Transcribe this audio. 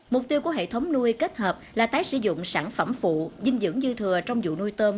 mục tiêu của hệ thống nuôi kết hợp là tái sử dụng sản phẩm phụ dinh dưỡng dư thừa trong vụ nuôi tôm